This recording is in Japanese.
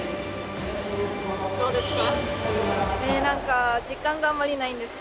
どうですか？